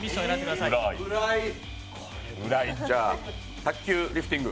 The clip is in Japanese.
じゃあ卓球リフティング。